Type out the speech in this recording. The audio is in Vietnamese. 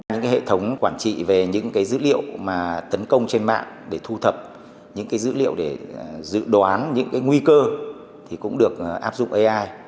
những hệ thống quản trị về những dữ liệu mà tấn công trên mạng để thu thập những dữ liệu để dự đoán những nguy cơ cũng được áp dụng ai